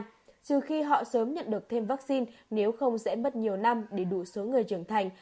trừ khi họ sớm nhận được thêm vaccine nếu không sẽ mất nhiều năm để đủ số người trưởng thành